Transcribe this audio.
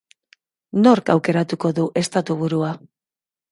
Nork aukeratuko du estatuburua?